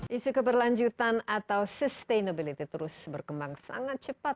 isu keberlanjutan atau sustainability terus berkembang sangat cepat